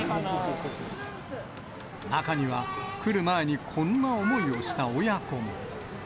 中には来る前にこんな思いをした親子も。